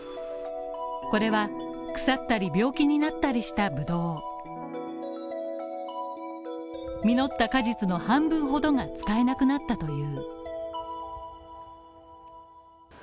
これは腐ったり病気になったりしたブドウ実った果実の半分ほどが使えなくなったという。